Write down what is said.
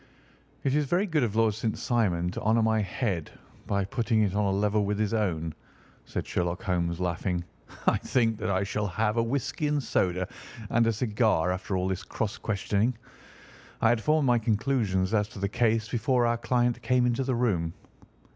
"It is very good of Lord St. Simon to honour my head by putting it on a level with his own," said Sherlock Holmes, laughing. "I think that I shall have a whisky and soda and a cigar after all this cross questioning. I had formed my conclusions as to the case before our client came into the room."